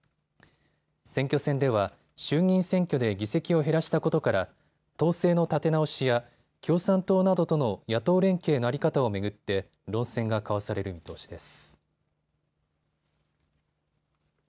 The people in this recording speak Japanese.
選挙戦では衆議院選挙で議席を減らしたことから党勢の立て直しや共産党などとの野党連携の在り方を巡って論戦が交わされる見通しです。